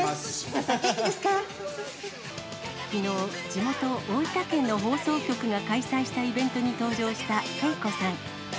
皆さん、きのう、地元、大分県の放送局が開催したイベントに登場したＫＥＩＫＯさん。